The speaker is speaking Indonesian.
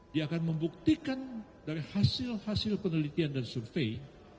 dia akan membuktikan dari hasil hasil penelitian dan survei